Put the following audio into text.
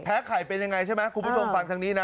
ไข่เป็นยังไงใช่ไหมคุณผู้ชมฟังทางนี้นะ